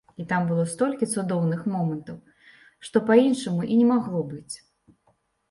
І там было столькі цудоўных момантаў, што па-іншаму і не магло быць.